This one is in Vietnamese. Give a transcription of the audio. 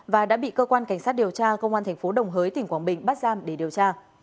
và đã bị cơ quan cảnh sát điều tra công an thành phố đồng hới tỉnh quảng bình bắt giam để điều tra